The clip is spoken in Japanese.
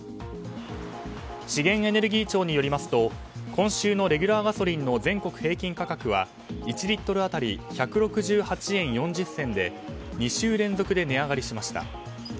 資源エネルギー庁によりますと今週のレギュラーガソリンの全国平均価格は１リットル当たり１６８円４０銭で２週連続で値上がりしました。